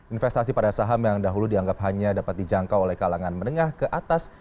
investasi pada saham yang dahulu dianggap hanya dapat dijangkau oleh kalangan menengah ke atas